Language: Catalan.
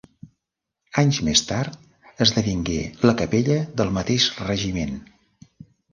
Anys més tard esdevingué la capella del mateix regiment.